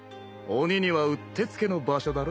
瓦砲うってつけの場所だろ。